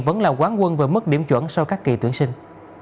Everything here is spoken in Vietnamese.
vẫn là quán quân về mức điểm chuẩn sau các kỳ tuyển sinh